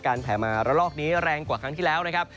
แผลมาระลอกนี้แรงกว่าครั้งที่แล้วนะครับ